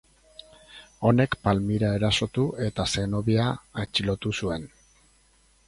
Honek Palmira erasotu eta Zenobia atxilotu zuen.